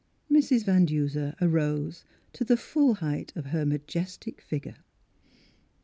Mrs. Van Duser arose to the full height of her majestic figure.